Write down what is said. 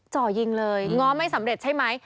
จ่อยิงเลยง้อไม่สำเร็จใช่ไหม